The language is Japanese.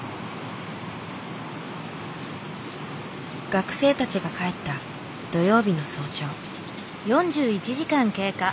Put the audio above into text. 学生たちが帰った土曜日の早朝。